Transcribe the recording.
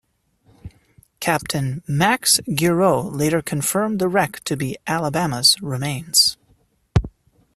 Captain Max Guerout later confirmed the wreck to be "Alabama"'s remains.